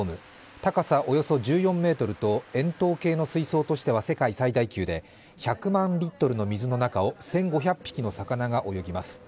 高さおよそ１４ｍと円筒形の水槽としては世界最大級で、１００万リットルの水の中を１５００匹の魚が泳ぎます。